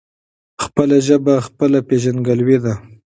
خپله ژبه خپله هويت دی.